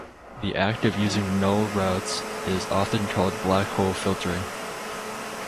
The act of using null routes is often called blackhole filtering.